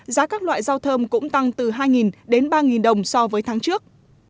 giá các loại rau thơm cũng tăng từ hai đến ba đồng so với tháng trước